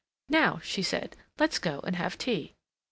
"Now," she said, "let's go and have tea."